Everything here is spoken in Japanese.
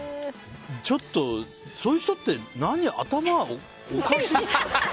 ちょっと、そういう人って頭おかしい。